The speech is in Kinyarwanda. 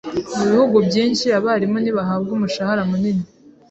Mu bihugu byinshi, abarimu ntibahabwa umushahara munini.